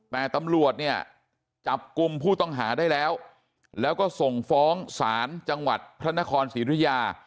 แต่ตำรวจเนี่ยจับกลุ่มผู้ต้องหาได้แล้วแล้วก็ส่งฟ้องศาลจังหวัดพระนครศรีธุยา